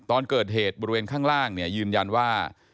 ตอนเกิดเหตุบริเวณข้างล่างเนี่ยยืนยันว่า